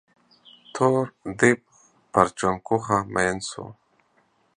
تور ديب پر چونگوښه مين سو.